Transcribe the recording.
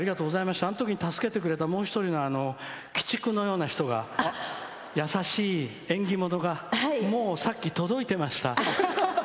あのとき助けてもらったもう一人の鬼畜のような人が優しい演技ものがもう、さっき届いてました。